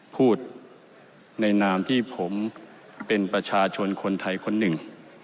พูดในนามที่ผมเป็นประชาชนคนไทยคนหนึ่ง